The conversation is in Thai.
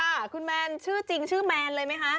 ค่ะคุณแมนชื่อจริงชื่อแมนเลยไหมคะ